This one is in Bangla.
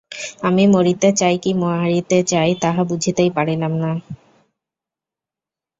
আমি মরিতে চাই কি মারিতে চাই, তাহা বুঝিতেই পারিলাম না।